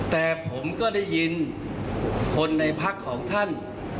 แต่ผมก็ได้ยินคนในพักของท่าน